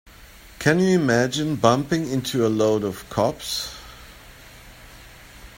Can you imagine bumping into a load of cops?